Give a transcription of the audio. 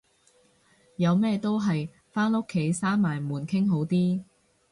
有咩都係返屋企閂埋門傾好啲